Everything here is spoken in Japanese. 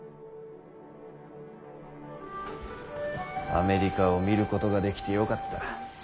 アメリカを見ることができてよかった。